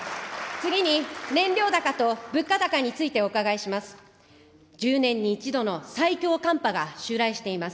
次に燃料高と物価高についてお伺いします。